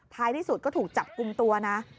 ถ้าที่สุดมันก็ถูกจับกุมตัวนะ